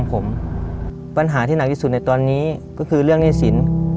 ผมปัญหาที่หนักที่สุดในตอนนี้ก็คือเรื่องหนี้สิน